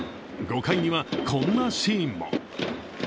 ５回にはこんなシーンも。